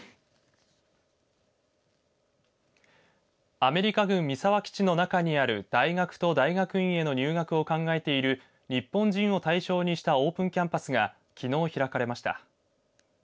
アメリカ軍三沢基地の中にある大学と大学院への入学を考えている日本人を対象にしたオープンキャンパスがきのう開かれました。